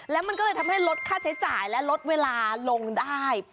แล้วมันก็เลยทำให้ลดค่าใช้จ่ายและลดเวลาลงได้